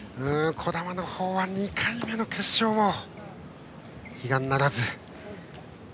児玉の方は２回目の決勝も悲願ならず。